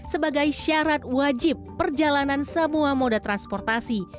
sebagai syarat wajib perjalanan semua moda transportasi